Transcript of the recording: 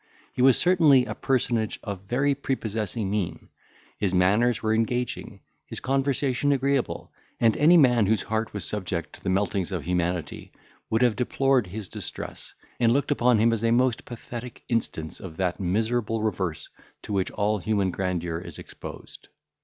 He was certainly a personage of very prepossessing mien; his manners were engaging, his conversation agreeable, and any man whose heart was subject to the meltings of humanity would have deplored his distress, and looked upon him as a most pathetic instance of that miserable reverse to which all human grandeur is exposed.